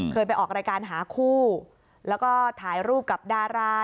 เคยไปออกรายการหาคู่แล้วก็ถ่ายรูปกับดารา